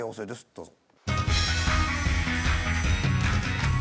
どうぞ。